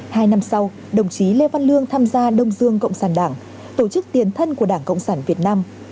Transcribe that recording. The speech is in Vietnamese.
hai năm sau đồng chí lê văn lương tham gia đông dương cộng sản đảng tổ chức tiền thân của đảng cộng sản việt nam